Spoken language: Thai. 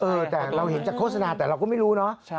เออแต่เราเห็นจากโฆษณาแต่เราก็ไม่รู้เนอะ